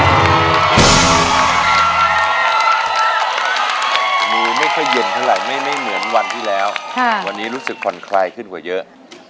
มีไม่ค่อยเย็นเท่าไหร่ไม่เหมือนวันที่แล้ววันนี้รู้สึกผ่อนคลายขึ้นกว่าเยอะ